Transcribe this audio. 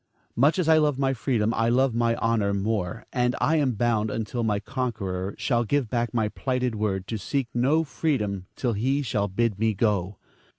Much as I love my freedom, I love my honor more; and I am bound until my conqueror shall give back my plighted word, to seek no freedom till he shall bid me go.